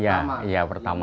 iya iya pertama